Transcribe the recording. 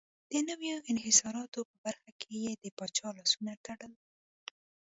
د نویو انحصاراتو په برخه کې یې د پاچا لاسونه تړل.